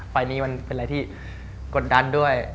ไฟล์นี้มันเป็นอะไรที่กดดันด้วย